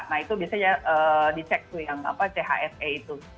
nah itu biasanya dicek tuh yang chse itu